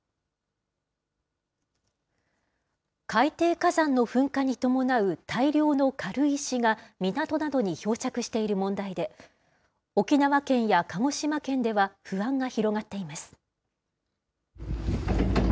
海底火山の噴火に伴う大量の軽石が港などに漂着している問題で、沖縄県や鹿児島県では、不安が広がっています。